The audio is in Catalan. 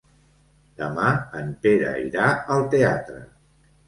Demà en Pere irà al teatre.